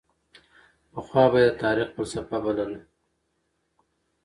پخوا به یې د تاریخ فلسفه بلله.